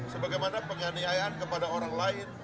sebagaimana penganiayaan kepada orang lain